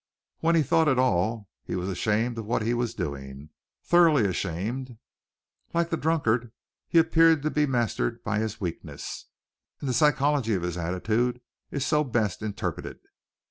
When he thought at all he was ashamed of what he was doing thoroughly ashamed. Like the drunkard he appeared to be mastered by his weakness, and the psychology of his attitude is so best interpreted.